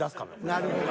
なるほど。